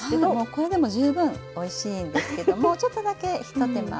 これでも十分おいしいんですけどもちょっとだけ一手間。